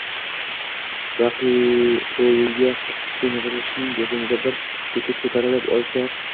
va quyiga sho‘ng‘ishning yakunida bir tekis ko‘tarilib olishar